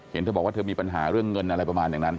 เห็นเธอบอกว่าเธอมีปัญหาเรื่องเงินอะไรประมาณอย่างนั้น